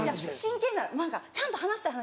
真剣な何かちゃんと話したい話。